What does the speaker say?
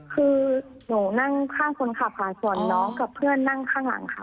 คือหนูนั่งข้างคนขับค่ะส่วนน้องกับเพื่อนนั่งข้างหลังค่ะ